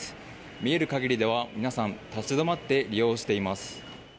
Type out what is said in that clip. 見える限りでは、皆さん立ち止まって利用しています。